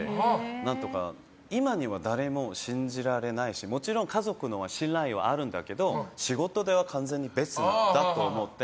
何とか今は誰も信じられないしもちろん家族の信頼はあるんだけど仕事では完全に別だと思って。